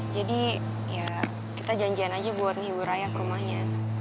jadi ya kita janjian aja buat nihibul raya ke rumahnya